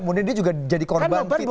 kemudian dia juga jadi korban fitnah komunis